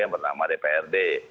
yang bernama dprd